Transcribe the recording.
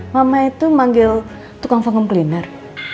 mama itu manggil tukang vacuum cleaner